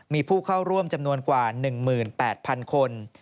มีผู้เข้าร่วมจำนวนกว่า๑๘๐๐๐คน